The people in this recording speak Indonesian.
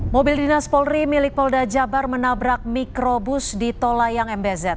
mobil dinas polri milik polda jabar menabrak mikrobus di tol layang mbz